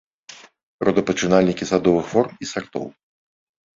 Родапачынальнікі садовых форм і сартоў.